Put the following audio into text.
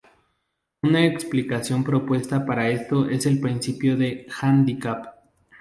Una explicación propuesta para esto es el principio de handicap.